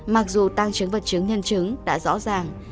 mặc dù tăng chứng vật chứng nhân chứng đã rõ ràng